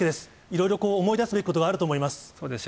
いろいろ思い出すべきことがあると思います。